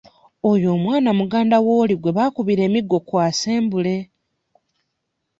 Oyo omwana muganda w'oli gwe baakubira emiggo ku assembly.